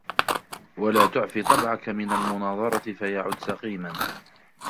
وَلَا تُعْفِ طَبْعَك مِنْ الْمُنَاظَرَةِ فَيَعُدْ سَقِيمًا